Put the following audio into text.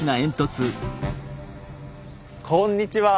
こんにちは。